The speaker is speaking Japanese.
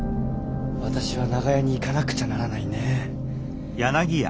私は長屋に行かなくちゃならないねえ。